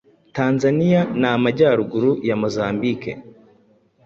Tanzania n’Amajyaruguru ya Mozambike